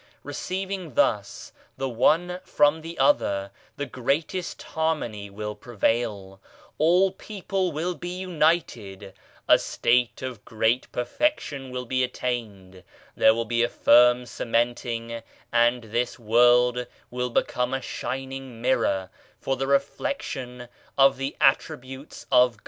Receiving thus the one from the other the greatest harmony will prevail, all people will be united, a state of great perfection will be attained, there will be a firm cementing, and this World will become a shining mirror for the reflection of the Attributes of God.